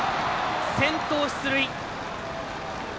先頭出塁。